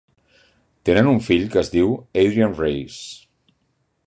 Tenen un fill que es diu Adrian Raice.